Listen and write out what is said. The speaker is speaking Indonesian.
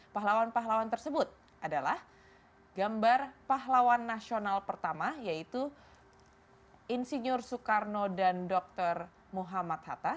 pahlawan pahlawan tersebut adalah gambar pahlawan nasional pertama yaitu insinyur soekarno dan dr muhammad hatta